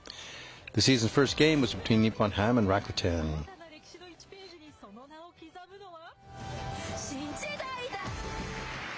新たな歴史の１ページにその名を刻むのは？